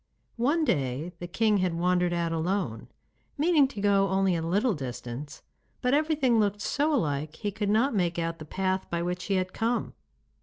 One day the king had wandered out alone, meaning to go only a little distance, but everything looked so alike he could not make out the path by which he had come.